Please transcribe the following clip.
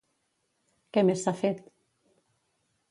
Què més s'ha fet?